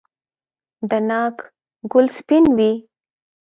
د ناک ګل سپین وي؟